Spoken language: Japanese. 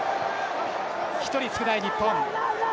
１人少ない日本。